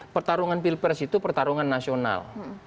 pertarungan pilpres itu pertarungan nasional